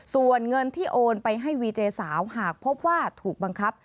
ส่วนเงินที่โอนไปให้วีเจสาวหากพบว่าถูกบังคับ